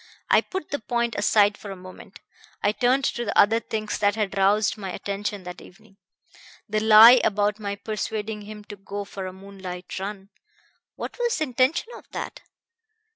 I put the point aside for a moment. I turned to the other things that had roused my attention that evening. The lie about my 'persuading him to go for a moonlight run.' What was the intention of that?